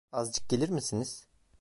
Azıcık gelir misiniz?